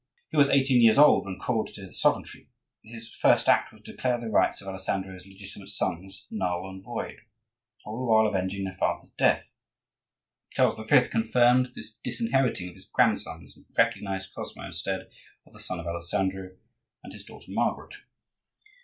He was eighteen years old when called to the sovereignty; his first act was to declare the rights of Alessandro's legitimate sons null and void,—all the while avenging their father's death! Charles V. confirmed the disinheriting of his grandsons, and recognized Cosmo instead of the son of Alessandro and his daughter Margaret.